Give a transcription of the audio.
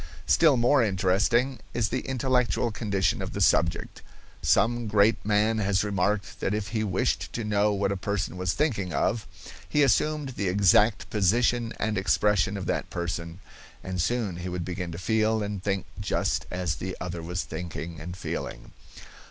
Still more interesting is the intellectual condition of the subject. Some great man has remarked that if he wished to know what a person was thinking of, he assumed the exact position and expression of that person, and soon he would begin to feel and think just as the other was thinking and feeling.